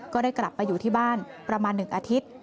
ก็ได้กลับไปอยู่ที่บ้านประมาณ๑อาทิตย์